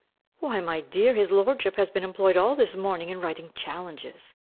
"Why, my dear, his lordship has been employed all this morning in writing challenges.